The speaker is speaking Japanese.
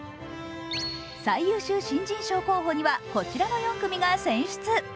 最優秀新人賞候補にはこちらの４組が選出。